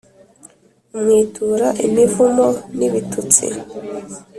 umwitura imivumo n’ibitutsi,